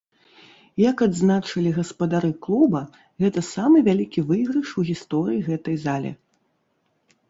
Як адзначылі гаспадары клуба, гэта самы вялікі выйгрыш у гісторыі гэтай зале.